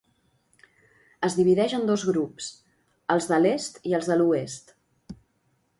Es divideix en dos grups, els de l'est i els de l'oest.